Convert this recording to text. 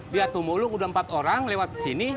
lihat pemulung udah empat orang lewat sini